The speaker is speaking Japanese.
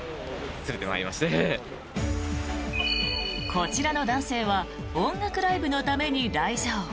こちらの男性は音楽ライブのために来場。